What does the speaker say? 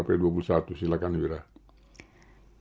baik sekarang para pendengar kita ke